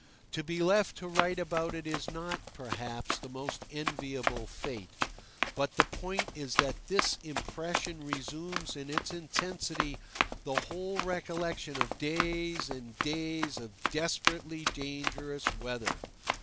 To be left to write about it is not, perhaps, the most enviable fate; but the point is that this impression resumes in its intensity the whole recollection of days and days of desperately dangerous weather.